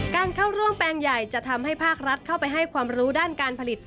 การเข้าร่วมแปลงใหญ่จะทำให้ภาครัฐเข้าไปให้ความรู้ด้านการผลิต